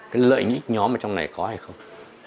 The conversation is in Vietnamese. cái lợi nhịp nhó mà trong này có hay không